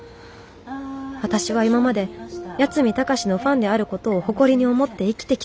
私は今まで八海崇のファンであることを誇りに思って生きてきた。